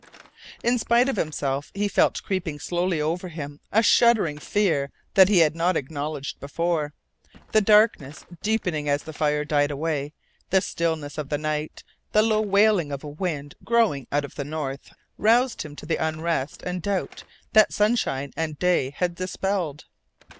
In spite of himself he felt creeping slowly over him a shuddering fear that he had not acknowledged before. The darkness deepening as the fire died away, the stillness of the night, the low wailing of a wind growing out of the north roused in him the unrest and doubt that sunshine and day had dispelled.